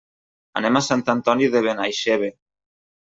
Anem a Sant Antoni de Benaixeve.